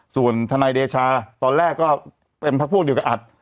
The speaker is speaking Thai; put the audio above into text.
ส่วนทนายเดชาตอนแรกก็เป็นพักพวกเดียวกับอัด